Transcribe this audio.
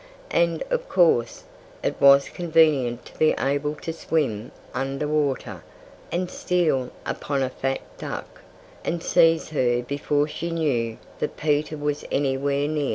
And, of course, it was convenient to be able to swim under water, and steal upon a fat duck, and seize her before she knew that Peter was anywhere near.